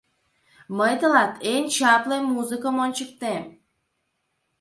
— Мый тылат эн чапле музыкым ончыктем.